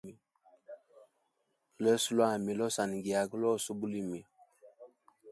Lweso lwami losanigiaga lose ubulimi.